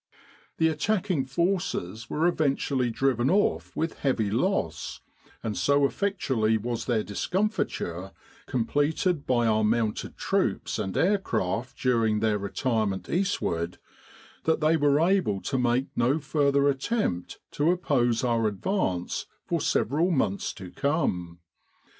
The attacking forces were eventually driven off with heavy loss, and so effectually was their discomfiture completed by our mounted troops and aircraft during their retirement eastward, that they were able to make no further attempt to oppose our advance for several months to come.